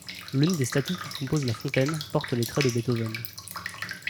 L'une des statues qui composent la fontaine porte les traits de Beethoven.